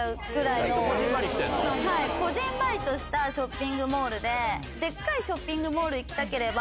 こぢんまりとしたショッピングモールでデカいショッピングモール行きたければ。